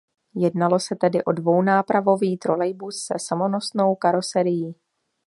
Jednalo se tedy o dvounápravový trolejbus se samonosnou karoserií.